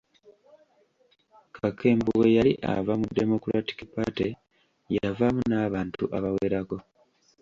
Kakembo bwe yali ava mu Democratic Party yavaamu n'abantu abawerako.